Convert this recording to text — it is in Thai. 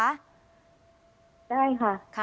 ได้ค่ะ